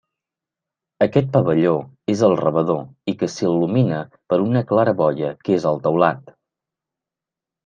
Aquest pavelló és el rebedor i que s'il·lumina per una claraboia que és el teulat.